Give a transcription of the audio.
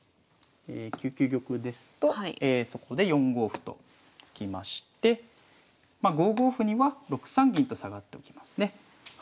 ９九玉ですとそこで４五歩と突きましてまあ５五歩には６三銀と下がっておきますね。